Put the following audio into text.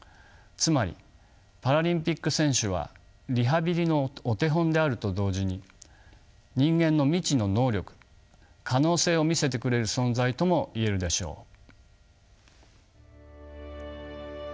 つまりパラリンピック選手はリハビリのお手本であると同時に人間の未知の能力可能性を見せてくれる存在とも言えるでしょう。